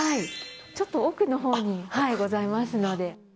ちょっと奥のほうにございますので。